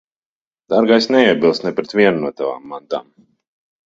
Dārgā, es neiebilstu ne pret vienu no tavām mantām.